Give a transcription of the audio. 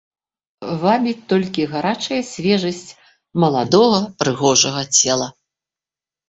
Вабіць толькі гарачая свежасць маладога прыгожага цела.